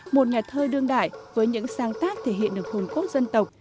một nhà thơ đương đại với những sáng tác thể hiện được hồn cốt dân tộc